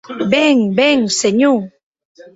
Ben, ben, senhor!